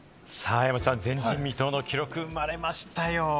山ちゃん、前人未到の記録、生まれましたよ。